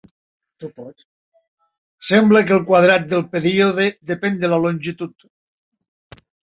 Sembla que el quadrat del període depèn de la longitud.